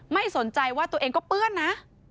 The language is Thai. ไม่สนใจว่าตัวเองก็เปื้อนนะ